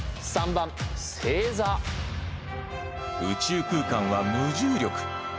宇宙空間は無重力。